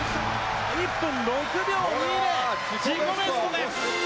１分６秒２０自己ベストです。